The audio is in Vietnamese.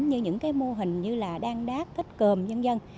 như những cái mô hình như là đan đác thích cơm nhân dân